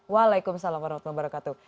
waalaikumsalam warahmatullahi wabarakatuh